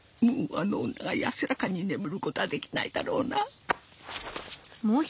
もうあの女が安らかに眠ることはできないだろうな。